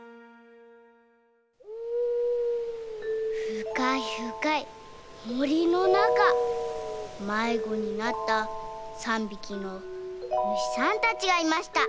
ふかいふかいもりのなかまいごになった３びきのむしさんたちがいました。